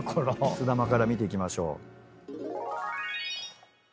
すだまから見ていきましょう。